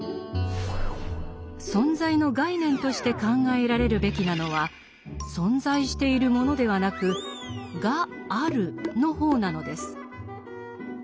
「存在」の概念として考えられるべきなのは「存在しているもの」ではなく「がある」の方なのです。